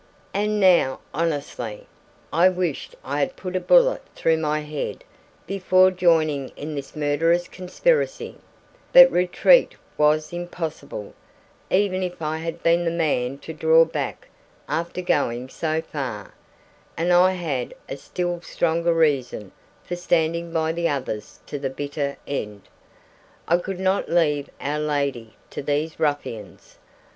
"And now, honestly, I wished I had put a bullet through my head before joining in this murderous conspiracy; but retreat was impossible, even if I had been the man to draw back after going so far; and I had a still stronger reason for standing by the others to the bitter end. I could not leave our lady to these ruffians.